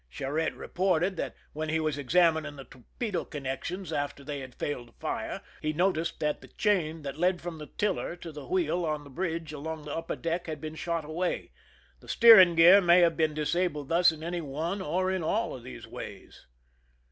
Charette reported that when he was examining the torpedo connections after they had failed to fire, he noticed that the chain that led from the tiller to the wheel on the bridge along the upper deck had been shot away. The steering gear may have been disabled thus in any one or in all of these ways.